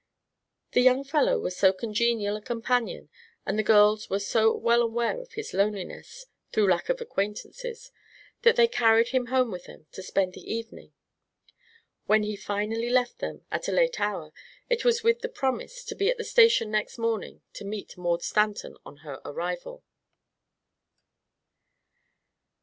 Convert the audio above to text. The young fellow was so congenial a companion and the girls were so well aware of his loneliness, through lack of acquaintances, that they carried him home with them to spend the evening. When he finally left them, at a late hour, it was with the promise to be at the station next morning to meet Maud Stanton on her arrival.